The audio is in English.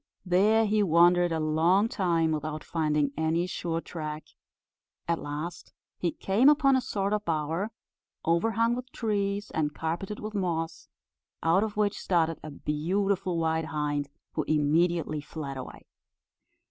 There he wandered a long time without finding any sure track: at last he came upon a sort of bower, overhung with trees, and carpeted with moss, out of which started a beautiful white hind, who immediately fled away.